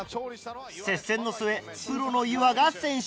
接戦の末プロのゆわが先取。